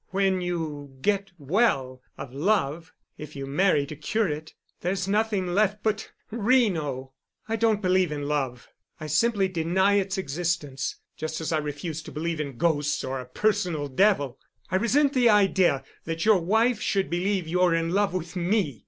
When you get well of love, if you marry to cure it, there's nothing left but Reno. I don't believe in love. I simply deny its existence—just as I refuse to believe in ghosts or a personal Devil. I resent the idea that your wife should believe you're in love with me.